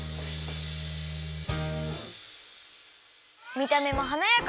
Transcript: みためもはなやか！